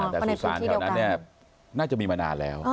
แต่สุสานแถวนั้นน่าจะมีมานานแล้ว